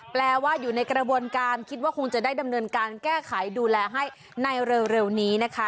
แปลว่าอยู่ในกระบวนการคิดว่าคงจะได้ดำเนินการแก้ไขดูแลให้ในเร็วนี้นะคะ